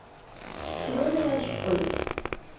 Kra ur ɣ-icewwel.